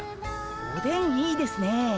おでんいいですね。